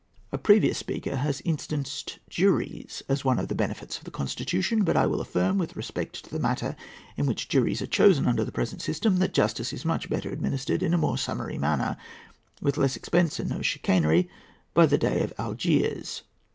A previous speaker has instanced juries as one of the benefits of the Constitution; but I will affirm, with respect to the manner in which juries are chosen under the present system, that justice is much better administered, in a more summary manner, with less expense, and no chicanery, by the Dey of Algiers.